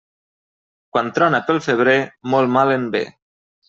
Quan trona pel febrer, molt mal en ve.